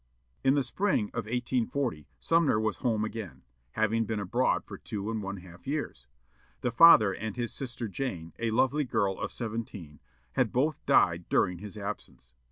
In the spring of 1840 Sumner was home again, having been abroad for two and one half years. The father and his sister Jane, a lovely girl of seventeen, had both died during his absence.